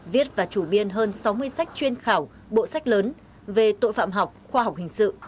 viết và chủ biên hơn sáu mươi sách chuyên khảo bộ sách lớn về tội phạm học khoa học hình sự